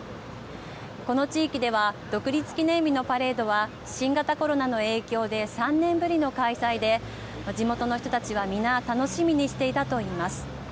この地域では独立記念日のパレードは新型コロナの影響で３年ぶりの開催で地元の人たちは皆楽しみにしていたといいます。